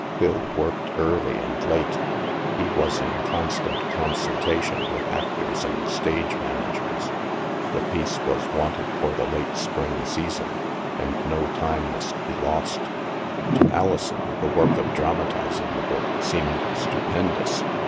Phil worked early and late. He was in constant 302 THE MASK consultation with actors and stage managers. The piece was wanted for the late spring season and no time must be lost. To Alison, the work of dramatizing the book seemed stupendous.